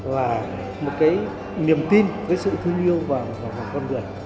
và một cái niềm tin với sự thương yêu vào con người